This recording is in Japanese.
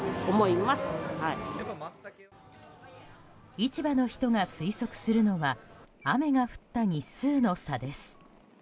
市場の人が推測するのは雨が降った日数の差です。